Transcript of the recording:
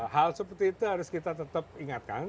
hal seperti itu harus kita tetap ingatkan